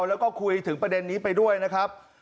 แล้วก็คุยถึงประเด็นนี้ไปด้วยนะครับ